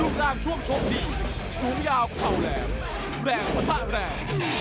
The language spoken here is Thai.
รุ่งร่างช่วงชบดีสูงยาวขาวแหลมแรงพระทะแหลม